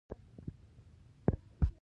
استاد بینوا د ژبې د ساتنې لپاره لیکنې کړی دي.